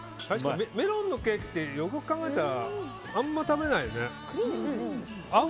メロンのケーキってよくよく考えたらあまり食べないよね。